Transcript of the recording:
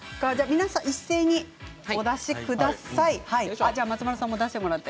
一斉にお出しください。